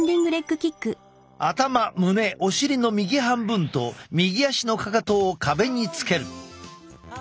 頭胸お尻の右半分と右足のかかとを壁につける。